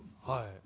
はい。